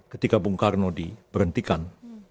ketika bung karno diberhentikan